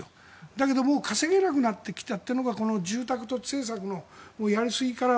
だけどもう稼げなくなってきたというのがこの住宅土地政策のやりすぎから